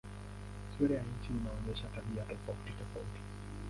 Sura ya nchi inaonyesha tabia tofautitofauti.